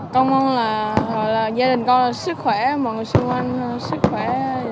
con mong là gia đình con sức khỏe mọi người xung quanh sức khỏe